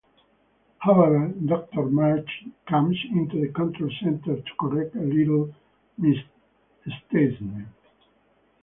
However, Doctor March comes into the control center to correct a little misstatement.